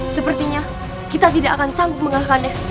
sepertinya kita tidak akan sanggup mengalahkannya